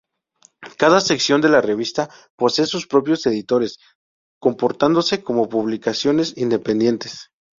Cada sección de la revista posee sus propios editores, comportándose como publicaciones independientes.